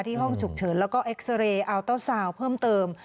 ห้องฉุกเฉินแล้วก็เอ็กซาเรย์อัลเตอร์ซาวน์เพิ่มเติม